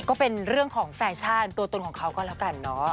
ก็เป็นเรื่องของแฟชั่นตัวตนของเขาก็แล้วกันเนอะ